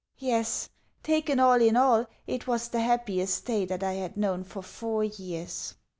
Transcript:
Yes, taken all in all, it was the happiest day that I had known for four years.